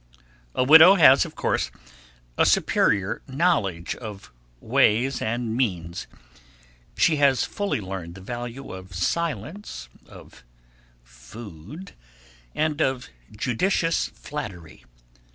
A widow has, of course, a superior knowledge of ways and means. She has fully learned the value of silence, of food, and of judicious flattery.